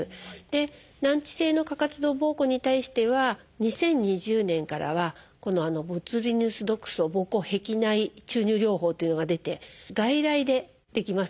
難治性の過活動ぼうこうに対しては２０２０年からは「ボツリヌス毒素ぼうこう壁内注入療法」というのが出て外来でできますので。